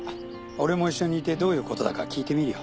俺も一緒にいてどういうことだか聞いてみるよ。